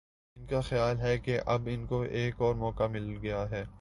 ان کا خیال ہے کہ اب ان کو ایک اور موقع مل گیا ہے۔